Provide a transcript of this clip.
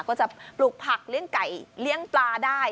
ก็จะปลูกผักเลี้ยงไก่เลี้ยงปลาได้